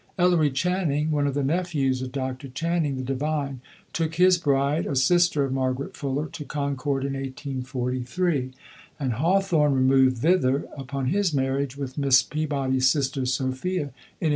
Ellery Channing, one of the nephews of Dr. Channing, the divine, took his bride, a sister of Margaret Fuller, to Concord in 1843; and Hawthorne removed thither, upon his marriage with Miss Peabody's sister Sophia, in 1842.